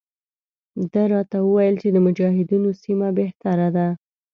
ده راته وویل چې د مجاهدینو سیمه بهتره ده.